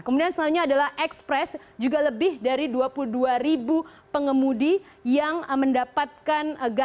kemudian selanjutnya adalah express juga lebih dari dua puluh dua ribu pengemudi yang mendapatkan gaji dari mereka